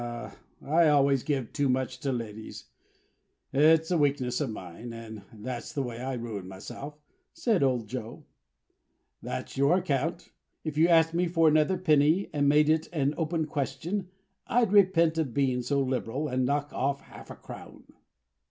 "I always give too much to ladies. It's a weakness of mine, and that's the way I ruin myself," said old Joe. "That's your account. If you asked me for another penny, and made it an open question, I'd repent of being so liberal, and knock off half a crown."